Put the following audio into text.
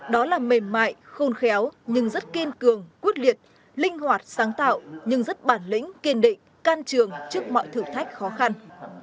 đó là mềm mại khôn khéo nhưng rất kiên cường quyết liệt linh hoạt sáng tạo nhưng rất bản lĩnh kiên định can trường trước mọi thử thách khó khăn